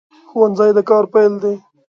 ښوونځی د کار پیل دی